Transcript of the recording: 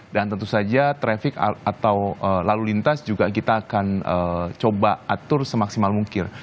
dan tentu saja traffic atau lalu lintas juga kita akan coba atur semaksimal mungkin